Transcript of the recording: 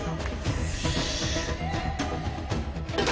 よし